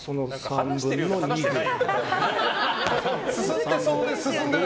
話しているような話してないような。